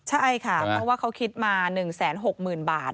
ใช่ค่ะเพราะว่าเขาคิดมา๑๖๐๐๐บาท